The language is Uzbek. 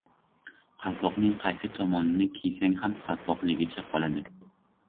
• Qalpoqning qaysi tomonini kiysang ham qalpoqligicha qoladi.